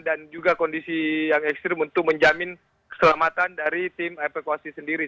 dan juga kondisi yang ekstrim untuk menjamin keselamatan dari tim evakuasi sendiri